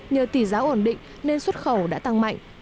nhờ tỷ giá ổn định nên xuất khẩu đã tăng mạnh